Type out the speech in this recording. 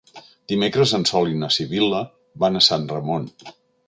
Dimecres en Sol i na Sibil·la van a Sant Ramon.